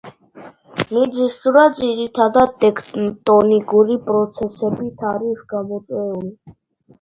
მიწისძვრა ძირითადად, ტექტონიკური პროცესებით არის გამოწვეული.